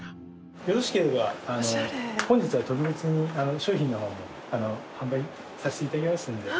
よろしければ本日は特別に商品の方も販売させていただきますんで。